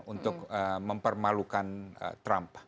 untuk mempermalukan trump